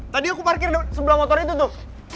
tadi aku parkir sebelah motor itu tuh